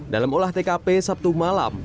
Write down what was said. dalam olah tkp sabtu malam